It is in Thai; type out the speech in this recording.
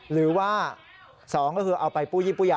หรือว่า๒ก็คือเอาไปปู้ยี่ปุ้ยา